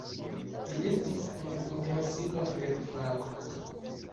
Li estis en intensiva flegfako.